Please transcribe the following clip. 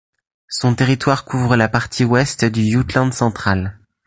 Son territoire couvre la partie ouest du Jutland-Central.